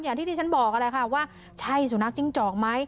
อย่างที่ที่ฉันบอกอะไรค่ะว่าใช่สูนักจริงจอกไหม